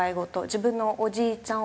自分のおじいちゃん